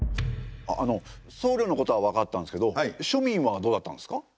あの僧侶のことは分かったんですけど庶民はどうだったんですか？